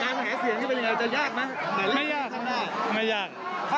แล้วถ้าหาเสียงนี่เป็นอย่างไรนะเลขของท่าน